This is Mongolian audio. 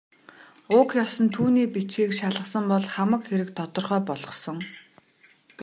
Уг ёс нь түүний бичгийг шалгасан бол хамаг хэрэг тодорхой болохсон.